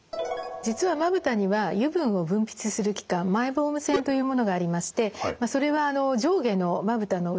実はまぶたには油分を分泌する器官マイボーム腺というものがありましてそれは上下のまぶたの裏側にあります。